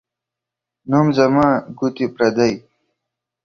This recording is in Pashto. نوم زما ، گوتي پردۍ.